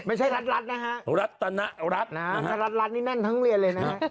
ไม่ใช่รัฐรัฐนะฮะรัตนรัฐนะฮะรัฐรัฐนี่แม่นทั้งเรียนเลยนะฮะ